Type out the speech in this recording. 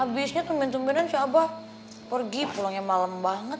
abisnya teman teman si abah pergi pulangnya malem banget